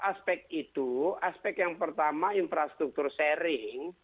aspek itu aspek yang pertama infrastruktur sharing